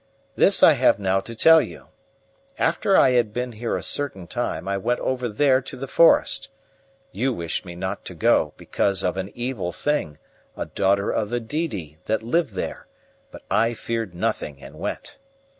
This I have now to tell you. After I had been here a certain time I went over there to the forest. You wished me not to go, because of an evil thing, a daughter of the Didi, that lived there; but I feared nothing and went.